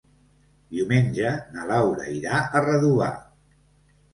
Diumenge na Laura irà a Redovà.